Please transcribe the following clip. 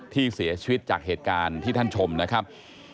ที่เสียชีวิตจากเหตุการณ์ที่ท่านชมนะครับ